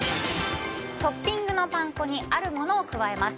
トッピングのパン粉にあるものを加えます。